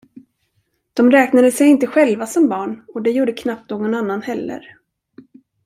De räknade sig inte själva som barn och det gjorde knappt någon annan heller.